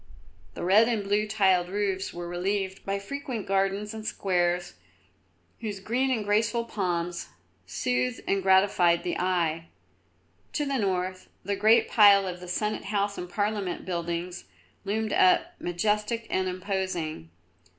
The red and blue tiled roofs were relieved by frequent gardens and squares whose green and graceful palms soothed and gratified the eye. To the north the great pile of the Senate House and Parliament buildings loomed up majestic and imposing.